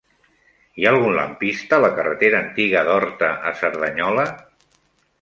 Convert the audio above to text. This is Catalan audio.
Hi ha algun lampista a la carretera Antiga d'Horta a Cerdanyola?